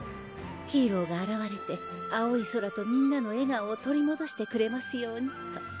「ヒーローがあらわれて青い空とみんなの笑顔を取りもどしてくれますようにと」